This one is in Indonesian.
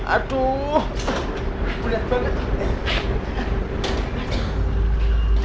aduh mudah banget